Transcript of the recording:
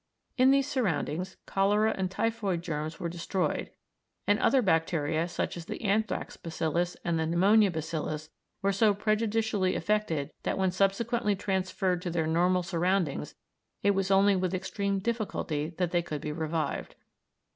In these surroundings cholera and typhoid germs were destroyed, and other bacteria, such as the anthrax bacillus and the pneumonia bacillus, were so prejudicially affected, that when subsequently transferred to their normal surroundings it was only with extreme difficulty that they could be revived.